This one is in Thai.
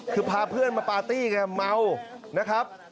คือพาเพื่อนมาปาร์ตี้ไงเมานะครับ